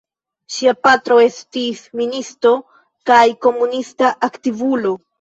Ŝia patro estis ministo kaj komunista aktivulo.